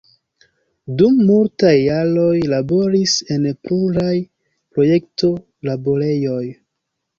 Dum multaj jaroj laboris en pluraj projekto-laborejoj.